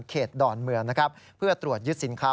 ดอนเมืองนะครับเพื่อตรวจยึดสินค้า